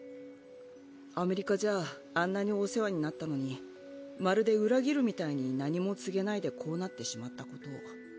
アメリカじゃあんなにお世話になったのにまるで裏切るみたいに何も告げないでこうなってしまったことを。